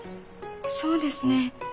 そうですね